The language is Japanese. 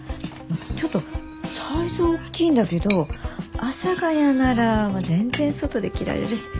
ちょっとサイズは大きいんだけど阿佐ヶ谷なら全然外で着られるし。